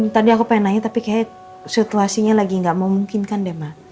tadi aku pengen nanya tapi kayaknya situasinya lagi gak memungkinkan deh mak